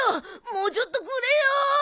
もうちょっとくれよ！